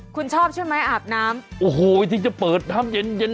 คุณชอบใช่ไหมอาบน้ำโอ้โหถึงจะเปิดน้ำเย็นเย็น